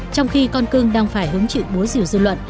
trong khi con cưng đang phải hứng chịu búa rìu dư luận